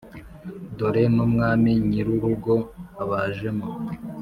dore n' umwami nyir' urugo abajemo.